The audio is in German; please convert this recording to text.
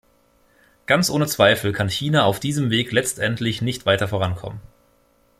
Ganz ohne Zweifel kann China auf diesem Weg letztendlich nicht weiter vorankommen.